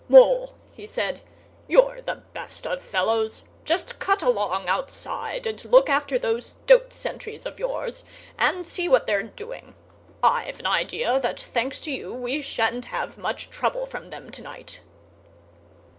"Mole," he said," "you're the best of fellows! Just cut along outside and look after those stoat sentries of yours, and see what they're doing. I've an idea that, thanks to you, we shan't have much trouble from them to night!"